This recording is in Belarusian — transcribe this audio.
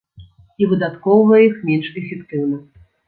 І выдаткоўвае іх менш эфектыўна.